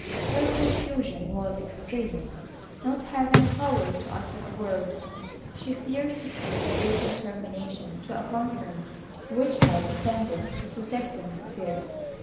Her confusion was extreme. Not having power to utter a word, she feared to see a fatal termination to a conference which had offended the protecting spirit.